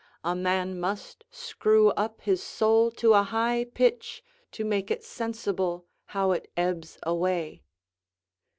A man must screw up his soul to a high pitch to make it sensible how it ebbs away.